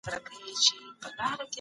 استادانو د څېړنې ډولونه وښودل.